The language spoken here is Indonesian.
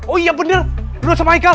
oh iya benar rodot sama haikal